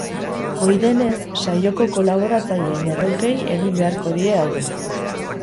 Ohi denez, saioko kolaboratzaileen erronkei egin beharko die aurre.